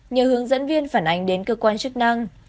nhờ hướng dẫn viên phản ánh đến cơ quan chức năng